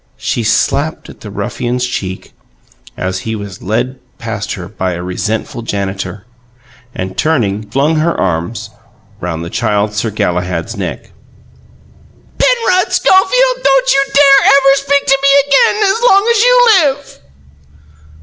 she slapped at the ruffian's cheek, as he was led past her by a resentful janitor; and turning, flung her arms round the Child Sir Galahad's neck. "PENROD SCHOFIELD, DON'T YOU DARE EVER SPEAK TO ME AGAIN AS LONG AS YOU LIVE!"